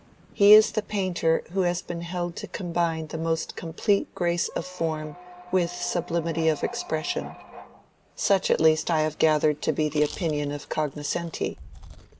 He is the painter who has been held to combine the most complete grace of form with sublimity of expression. Such at least I have gathered to be the opinion of cognoscenti."